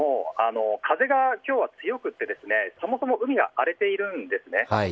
風が今日は強くてそもそも海が荒れているんです。